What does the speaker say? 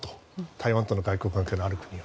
台湾と外交関係がある国を。